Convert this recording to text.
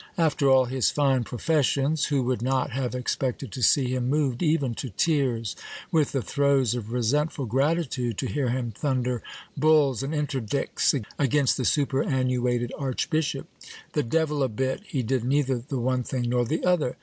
After all his fine professions, who would not have expected to see him moved even to tears with the throes of resentful gratitude, to hear him thunder bulls and interdicts against the superannuated archbishop t The devil a bit ! he did neither the one thing nor the other.